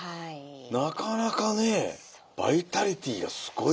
なかなかねえバイタリティーがすごいなと。